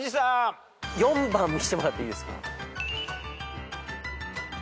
４番見せてもらっていいですか？